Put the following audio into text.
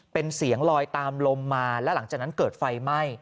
เป็นเสียงลอยตามลมมาแล้วหลังจากนั้นเกิดไฟไหม้